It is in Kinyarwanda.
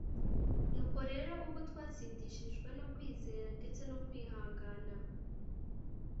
Nuko rero ubwo twatsindishirijwe no kwizera ndetse no kwihangana